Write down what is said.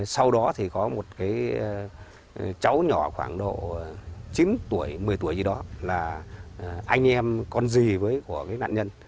sau đó thì có một cái cháu nhỏ khoảng độ chín tuổi một mươi tuổi gì đó là anh em con dì của cái nạn nhân